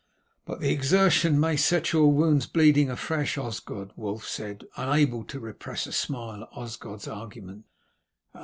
"But the exertion may set your wounds bleeding afresh, Osgod," Wulf said, unable to repress a smile at Osgod's argument.